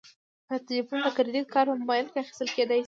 د تلیفون د کریدت کارت په موبایل کې اخیستل کیدی شي.